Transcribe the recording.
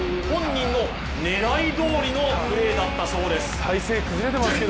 本人の狙いどおりのプレーだったそうです。